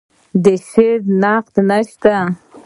د شعر نقد نشته